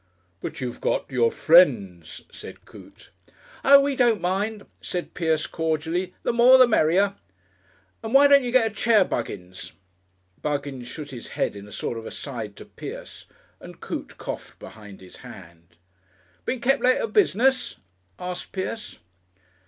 "But you've got your friends," said Coote. "Oh! we don't mind," said Pierce cordially, "the more the merrier," and, "why don't you get a chair, Buggins?" Buggins shook his head in a sort of aside to Pierce and Coote coughed behind his hand. "Been kep' late at business?" asked Pierce.